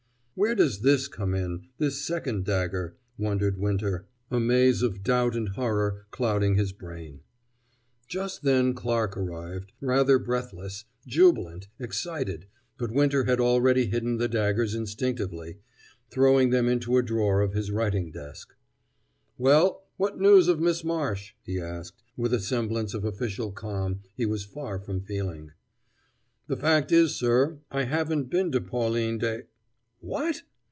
"Where does this come in, this second dagger...?" wondered Winter, a maze of doubt and horror clouding his brain. Just then Clarke arrived, rather breathless, jubilant, excited, but Winter had already hidden the daggers instinctively throwing them into a drawer of his writing desk. "Well, what news of Miss Marsh?" he asked, with a semblance of official calm he was far from feeling. "The fact is, sir, I haven't been to Pauline Des " "What!"